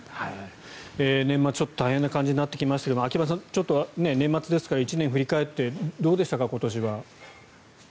年末、ちょっと大変な感じになってきましたが秋葉さん、年末ということで１年を振り返ってどうでしたか今年は。